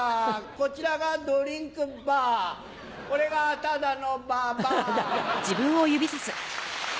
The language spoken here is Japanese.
こちらがドリンクバーこれがただのババア。